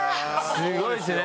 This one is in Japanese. すごいですね。